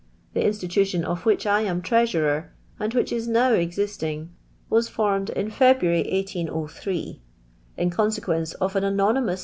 The Institution of which I am treasurer, and which is now existing, was formed in February, 1803. In consequence of an anonymous